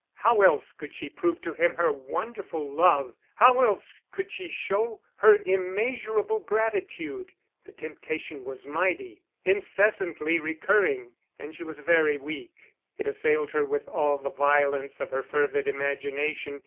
How else could she prove to him her wonderful love, how else could she show her immeasurable gratitude? The temptation was mighty, incessantly recurring; and she was very weak. It assailed her with all the violence of her fervid imagination.